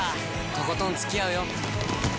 とことんつきあうよ！